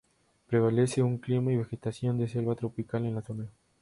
Prevalece un clima y vegetación de selva tropical en la zona.